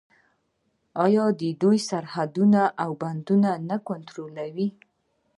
آیا دوی سرحدونه او بندرونه نه کنټرولوي؟